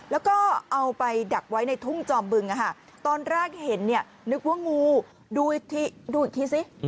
แล้วก็เอาไปดักไว้ในทุ่งจอมบึงตอนแรกเห็นเนี่ยนึกว่างูดูอีกทีสิ